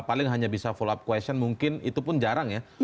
paling hanya bisa follow up question mungkin itu pun jarang ya